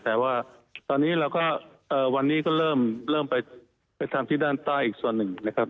แต่ว่าตอนนี้เราก็วันนี้ก็เริ่มไปทำที่ด้านใต้อีกส่วนหนึ่งนะครับ